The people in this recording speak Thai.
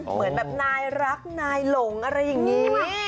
เหมือนแบบนายรักนายหลงอะไรอย่างนี้